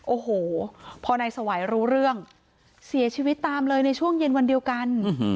โอ้โหพอนายสวัยรู้เรื่องเสียชีวิตตามเลยในช่วงเย็นวันเดียวกัน